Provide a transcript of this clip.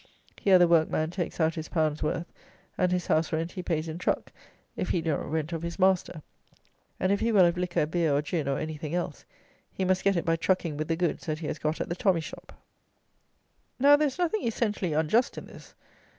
Here the workman takes out his pound's worth; and his house rent he pays in truck, if he do not rent of his master; and if he will have liquor, beer, or gin, or anything else, he must get it by trucking with the goods that he has got at the tommy shop. Now, there is nothing essentially unjust in this.